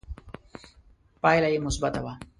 پایله یې مثبته وه